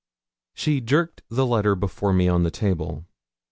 She jerked the letter before me on the table.